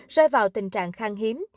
rơi vào tình trạng khang hiếm